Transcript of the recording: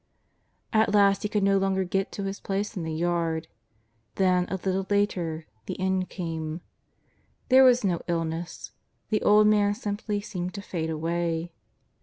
At last he could no longer get to his place in the yard. Then, a little later, the end came. There was no illness ; the old man simply seemed to fade away.